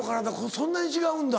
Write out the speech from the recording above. そんなに違うんだ。